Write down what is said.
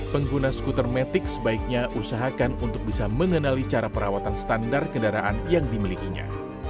pengguna skuter metik sebaiknya usahakan untuk bisa mengenali cara perawatan standar kendaraan yang dimilikinya